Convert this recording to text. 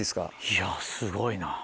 いやすごいな。